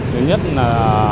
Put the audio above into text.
thứ nhất là